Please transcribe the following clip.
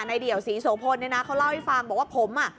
ในเดี่ยวสีสโภนเนี่ยนะเขาเล่าให้ฟังบอกว่าผมอะ